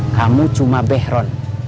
kamu cuma behron